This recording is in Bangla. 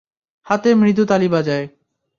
হাতে মৃদু তালি বাজায়।